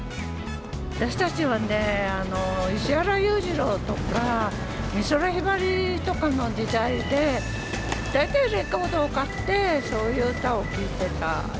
私たちはね、石原裕次郎とか、美空ひばりとかの時代で、大体、レコードを買って、そういう歌を聴いてた。